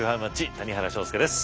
谷原章介です。